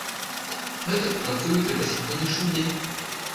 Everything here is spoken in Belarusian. Гэтак працуюць і па сягонняшні дзень.